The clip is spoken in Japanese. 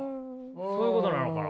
そういうことなのかな？